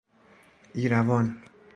ایروان